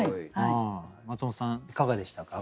マツモトさんいかがでしたか？